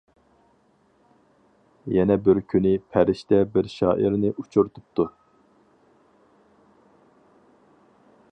يەنە بىر كۈنى پەرىشتە بىر شائىرنى ئۇچرىتىپتۇ.